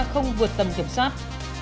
không vượt tầm kiểm soát